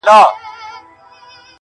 چې د لسو کسانو لپاره